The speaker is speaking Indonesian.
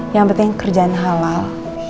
yang penting kerjaan halal